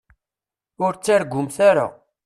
Ur ttargumt ara.